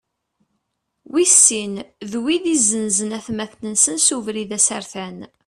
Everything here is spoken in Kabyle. Wis sin, d wid izenzen atmaten-nsen s ubrid asertan.